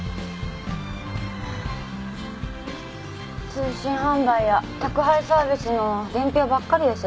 通信販売や宅配サービスの伝票ばっかりです。